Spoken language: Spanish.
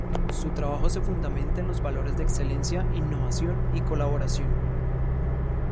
Su trabajo se fundamenta en los valores de excelencia, innovación y colaboración.